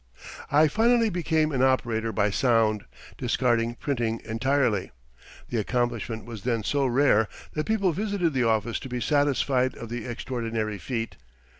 I finally became an operator by sound, discarding printing entirely. The accomplishment was then so rare that people visited the office to be satisfied of the extraordinary feat.